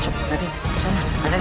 raden ke sana dulu